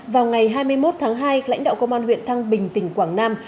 vào ngày hai mươi một tháng hai lãnh đạo công an huyện thăng bình tỉnh quảng nam